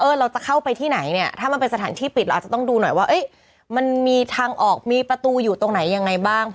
เราจะเข้าไปที่ไหนเนี่ยถ้ามันเป็นสถานที่ปิดเราอาจจะต้องดูหน่อยว่ามันมีทางออกมีประตูอยู่ตรงไหนยังไงบ้าง